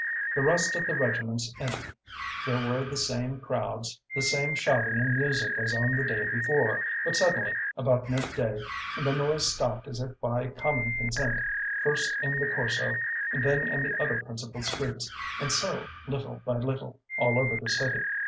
The rest of the regiments entered; there were the same crowds, the same shouting and music as on the day before. But suddenly, about midday, the noise stopped as if by common consent, first in the Corso, then in the other principal streets, and so, little by little, all over the city.